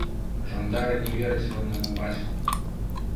Жандары не вераць роднаму бацьку.